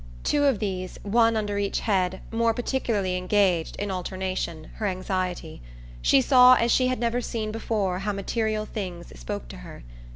Two of these one under each head more particularly engaged, in alternation, her anxiety. She saw as she had never seen before how material things spoke to her.